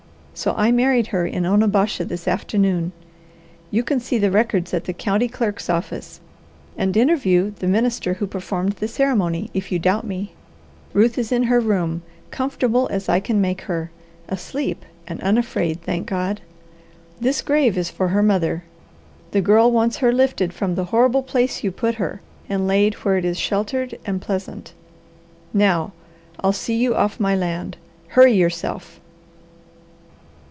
So I married her in Onabasha this afternoon. You can see the records at the county clerk's office and interview the minister who performed the ceremony, if you doubt me. Ruth is in her room, comfortable as I can make her, asleep and unafraid, thank God! This grave is for her mother. The Girl wants her lifted from the horrible place you put her, and laid where it is sheltered and pleasant. Now, I'll see you off my land. Hurry yourself!"